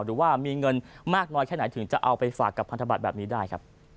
หรือว่ามีเงินมากน้อยแค่ไหนถึงจะเอาไปฝากกับพันธบัตรแบบนี้ได้ครับ